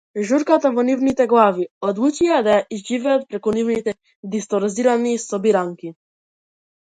Журката во нивните глави одлучија да ја изживеат преку нивните дисторзирани собиранки.